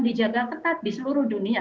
dijaga ketat di seluruh dunia